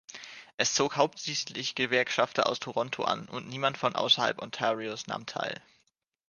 Es zog hauptsächlich Gewerkschafter aus Toronto an, und niemand von außerhalb Ontarios nahm teil.